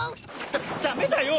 ダメだよ！